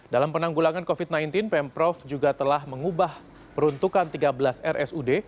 dalam penanggulangan covid sembilan belas pemprov juga telah mengubah peruntukan tiga belas rsud